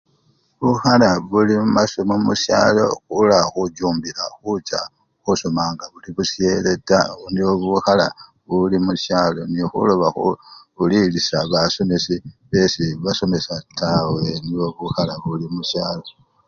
Bukhala buli mumasomo musyalo, khula khuwakikisya khusomabga buli busyele taa, nibwo bukhala buli musyalo nekhuloba khuwulilisya basomesi nibyo basomesya tawe, nibwo bukhala buli musyalo.